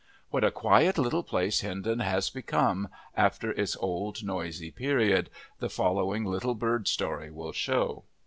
What a quiet little place Hindon has become, after its old noisy period, the following little bird story will show.